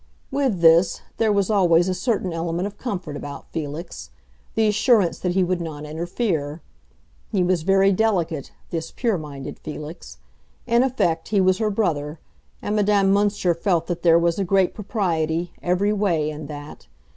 With this, there was always a certain element of comfort about Felix—the assurance that he would not interfere. He was very delicate, this pure minded Felix; in effect, he was her brother, and Madame Münster felt that there was a great propriety, every way, in that.